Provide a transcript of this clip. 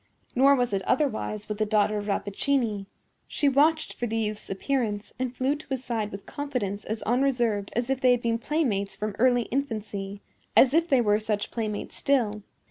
Nor was it otherwise with the daughter of Rappaccini. She watched for the youth's appearance, and flew to his side with confidence as unreserved as if they had been playmates from early infancy—as if they were such playmates still.